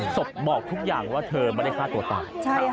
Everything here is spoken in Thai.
ศพบอกทุกอย่างว่าเธอไม่ได้ฆ่าตัวตาย